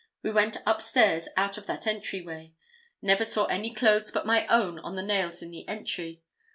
We went upstairs out of that entry way. Never saw any clothes but my own on the nails in the entry.